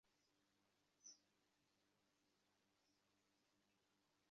তোমার মাকে কথা দিয়েছি তোমাকে বাড়ি ফেরাবো।